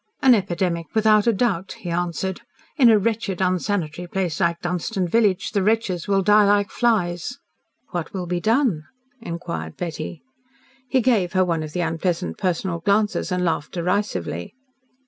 "An epidemic, without a doubt," he answered. "In a wretched unsanitary place like Dunstan village, the wretches will die like flies." "What will be done?" inquired Betty. He gave her one of the unpleasant personal glances and laughed derisively.